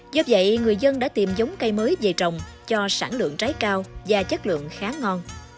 do vậy người dân đã tìm giống cây mới về trồng cho sản lượng trái cao và chất lượng khá ngon